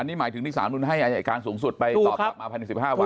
นี่หมายถึงที่สารนุนให้อายการสูงสุดไปตอบกลับมาภายใน๑๕วัน